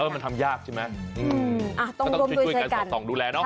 เออมันทำยากใช่มั้ยก็ต้องช่วยกันสองดูแลเนาะ